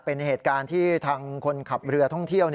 เป็นเหตุการณ์ที่ทางคนขับเรือท่องเที่ยว